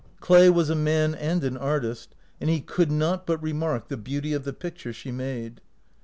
Clay was a man and an artist, and he could not but remark the beauty of the picture she made.